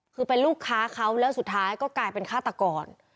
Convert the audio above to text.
คือเป็นลูกค้าเขาแล้วสุดท้ายก็กลายเป็นฆาตกร